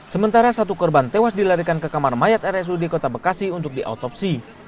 sementara satu korban tewas dilarikan ke kamar mayat rsud kota bekasi untuk diotopsi